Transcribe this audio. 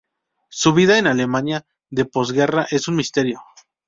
Su vida en la Alemania de posguerra es un misterio.